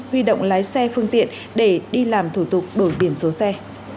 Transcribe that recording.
huy động lái xe phương tiện để đi làm thủ tục đổi biển số xe